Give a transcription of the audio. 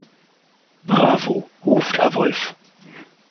"Bravo!", ruft Herr Wolf.